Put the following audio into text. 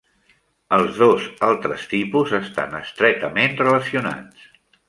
Els dos altres tipus estan estretament relacionats.